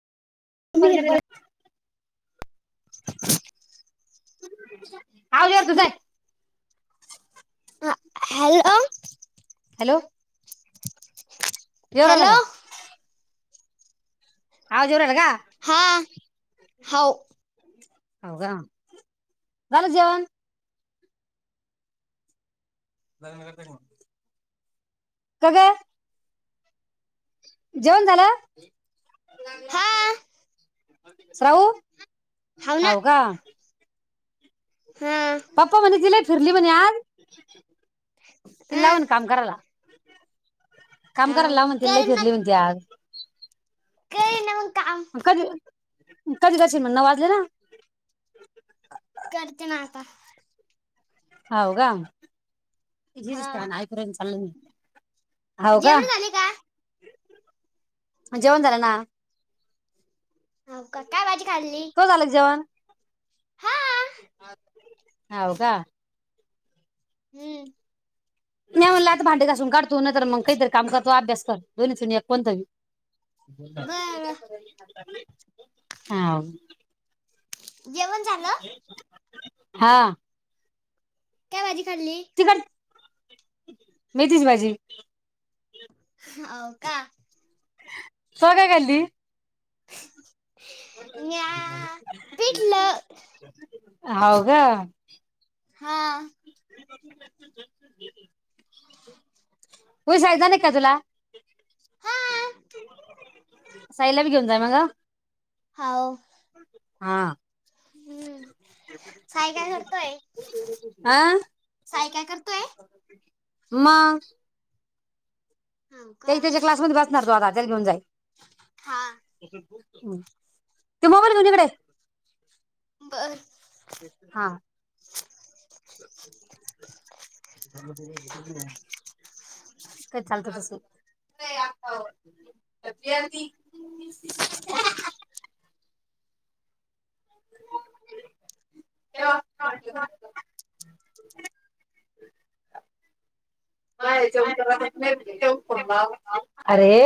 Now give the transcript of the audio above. Hello [unintelligible] [inaudible] [inaudible] hello hello [inaudible] जेवू राह्यला hello का? आवाज येऊ राहिला का हा हव. हो का, झालं जेवण? का ग? जेवण झालं? हा श्रावू, हो ना हव का? हा पप्पा म्हणे ती लई फिरली म्हणे आज, ती लावन काम करायला. काम करायला लाव अ म्हणते, लई फिरली म्हणते आज. कै नव. कधी, कधी करशील म, नऊ वाजले ना. करते ना आता. हव का, तिझं हा नुसतं नायपुरांण चाललंय. जेवण झाले का? जेवण झालं ना. हो का, काय भाजी खाल्ली? हा हव का? हम्म नाही म्हणला आत भांडे घासून काढतो न तर मग काहीतरी काम करतो अभ्यास कर दोन्हीच एक कोणतंही बर ह जेवण झालं हा काय भाजी खाल्ली तिखट मेथीची भाजी अ का स काय कली म्या पिठलं हव का हा बास् गेले. होऊसगदा नाही का तुला हा. साईला बी घेऊन जाय मग हो हा हम्म साय काय करतोय हा साय काय करतोय म हो ते का त्याच्या क्लासमध्ये बसणार तो आता त्याल घेऊन जाई हा ते मोबाईल घेऊन ये तकडे बर हा [inaudible] काय चालत तस नाही आ तेव वाटत [inaudible] अरे